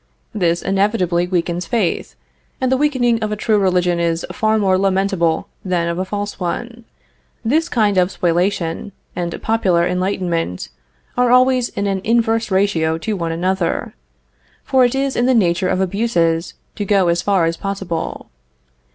This inevitably weakens faith, and the weakening of a true religion is far more lamentable than of a false one. This kind of spoliation, and popular enlightenment, are always in an inverse ratio to one another, for it is in the nature of abuses to go as far as possible.